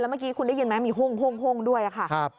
เมื่อกี้คุณได้ยินไหมมีห้องด้วยค่ะ